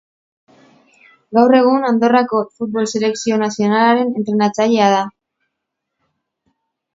Gaur egun Andorrako futbol selekzio nazionalaren entrenatzailea da.